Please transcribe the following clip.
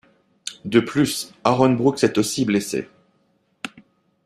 De plus Aaron Brooks est aussi blessé.